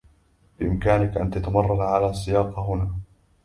بإمكانك أن تتمرّن على السّياقة هنا.